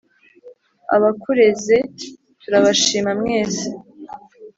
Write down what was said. abakureze turabashima mwese